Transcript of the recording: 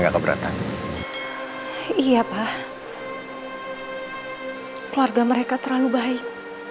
keluarga mereka terlalu baik